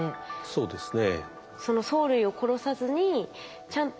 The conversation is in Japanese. そうですね。